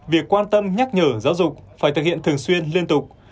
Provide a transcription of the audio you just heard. việc quan tâm nhắc nhở giáo dục phải thực hiện thường xuyên liên tục